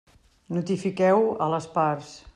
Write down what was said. Notifiqueu-ho a les parts.